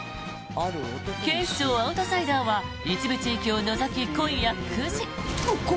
「警視庁アウトサイダー」は一部地域を除き、今夜９時。